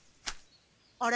あれ？